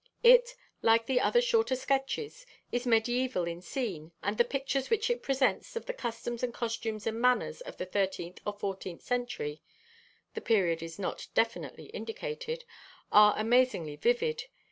It, like the two shorter sketches, is medieval in scene, and the pictures which it presents of the customs and costumes and manners of the thirteenth or fourteenth century (the period is not definitely indicated) are amazingly vivid.